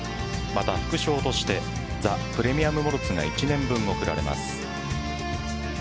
また、副賞としてザ・プレミアム・モルツが１年分贈られます。